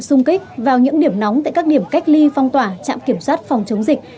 xung kích vào những điểm nóng tại các điểm cách ly phong tỏa trạm kiểm soát phòng chống dịch